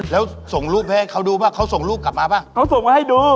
แล้วส่งรูปให้เขาดูว่าเขาส่งรูปกลับมาป่ะเขาส่งมาให้ดู